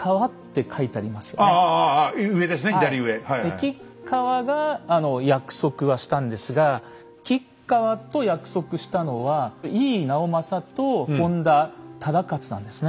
吉川が約束はしたんですが吉川と約束したのは井伊直政と本多忠勝なんですね。